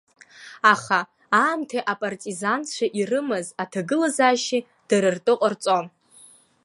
Аха, аамҭеи апартизанцәа ирымаз аҭагылазаашьеи дара ртәы ҟарҵон.